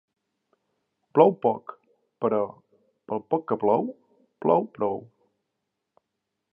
Plou poc, però, pel poc que plou, plou prou.